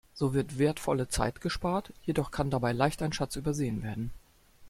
So wird wertvolle Zeit gespart, jedoch kann dabei leicht ein Schatz übersehen werden.